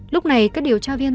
lúc này các điều tra viên